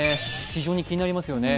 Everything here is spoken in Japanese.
非常に気になりますよね。